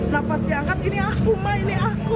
nah pas diangkat ini aku mah ini aku